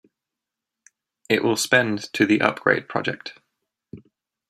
It will spend to the upgrade project.